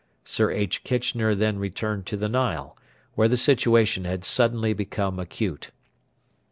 Sir H. Kitchener then returned to the Nile, where the situation had suddenly become acute.